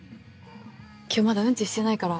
今日まだうんちしてないから。